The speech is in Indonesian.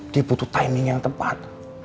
dia butuh timing yang tepat